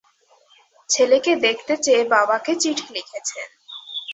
ছেলেকে দেখতে চেয়ে বাবাকে চিঠি লিখেছেন।